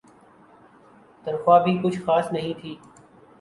تنخواہ بھی کچھ خاص نہیں تھی ۔